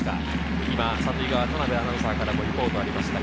３塁側、田辺アナウンサーからリポートがありました。